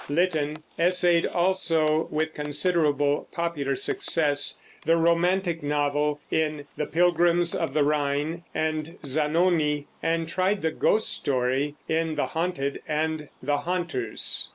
Lytton essayed also, with considerable popular success, the romantic novel in The Pilgrims of the Rhine and Zanoni, and tried the ghost story in The Haunted and the Haunters.